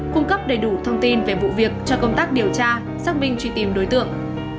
cung cấp đầy đủ thông tin về vụ việc cho công tác điều tra xác minh truy tìm đối tượng